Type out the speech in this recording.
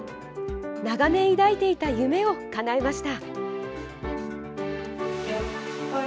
長年抱いていた夢をかなえました。